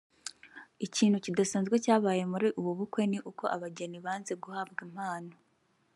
Ikintu kidasanzwe cyabaye muri ubu bukwe ni uko abageni banze guhabwa impano